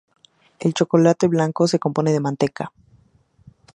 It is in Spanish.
El chocolate blanco se compone de manteca.